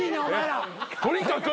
とにかく。